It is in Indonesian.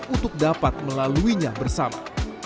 untuk dapat melaluinya bersama